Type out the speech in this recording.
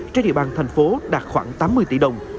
trên địa bàn thành phố đạt khoảng tám mươi tỷ đồng